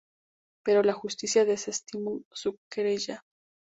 Pero la justicia desestimó su querella.